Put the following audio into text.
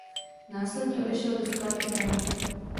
Následně odešel do Sparty Praha.